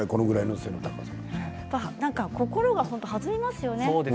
心がはずみますよね。